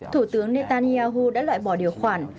thủ tướng netanyahu đã loại bỏ điều khoản